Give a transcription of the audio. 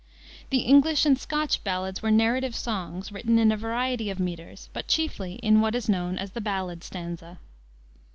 The English and Scotch ballads were narrative songs, written in a variety of meters, but chiefly in what is known as the ballad stanza.